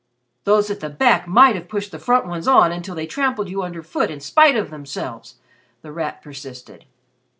"Those at the back might have pushed the front ones on until they trampled you under foot in spite of themselves!" The Rat persisted.